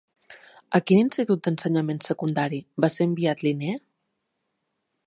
A quin Institut d'Ensenyament Secundari va ser enviat Linné?